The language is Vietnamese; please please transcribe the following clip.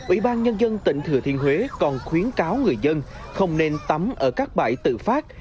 ủy ban nhân dân tỉnh thừa thiên huế còn khuyến cáo người dân không nên tắm ở các bãi tự phát